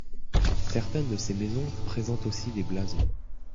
Certaines de ces maisons présentent aussi des blasons.